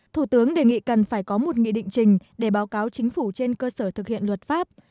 thủ tướng đề nghị cần phải có một nghị định trình để báo cáo chính phủ trên cơ sở thực hiện luật pháp